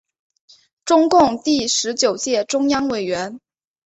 中共第十九届中央委员。